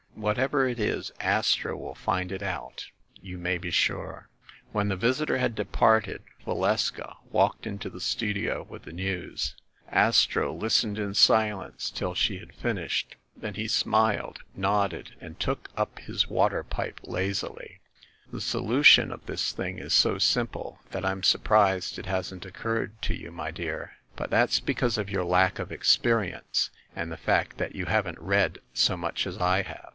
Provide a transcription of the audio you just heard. Whatever it is, Astro will find it out, you may be sure." When the visitor had departed, Valeska walked into the studio with the news. Astro listened in silence THE ASSASSINS' CLUB 253 till she had finished ; then he smiled, nodded, and took up his water pipe lazily. "The solution of this thing is so simple that I'm sur prised it hasn't occurred to you, my dear. But that's because of your lack of experience and the fact that you haven't read so much as I have.